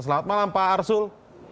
selamat malam pak arsul